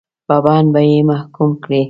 په بند به یې محکوم کړي.